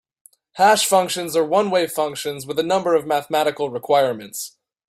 Hash functions are one-way functions with a number of mathematical requirements.